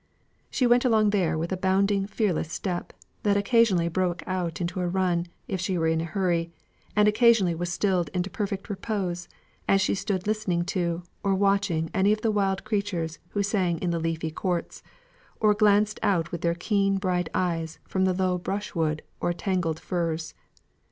She went along there with a boundless fearless step, that occasionally broke out into a run, if she were in a hurry, and occasionally was stilled into perfect repose, as she stood listening to, or watching any of the wild creatures who sang in the leafy courts, or glanced out with their keen bright eyes from the low brushwood or tangled furze.